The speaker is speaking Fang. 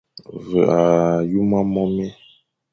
Ve a huma mome.